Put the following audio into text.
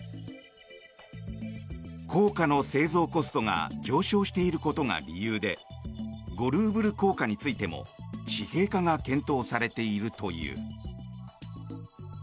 硬貨の製造コストが上昇していることが理由で５ルーブル硬貨についても紙幣化が検討されているという。